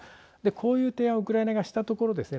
こういう提案をウクライナ側がしたところですね